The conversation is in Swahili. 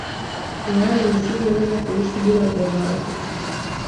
yaani nisingeweza kuishi bila upendo wako